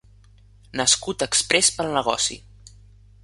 Nascut exprés pel negoci.